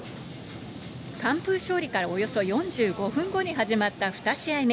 完封勝利からおよそ４５分後に始まった２試合目。